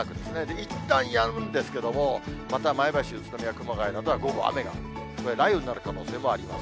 いったんやむんですけれども、また前橋、宇都宮、熊谷などは午後雨が降って、これ、雷雨になる可能性もあります。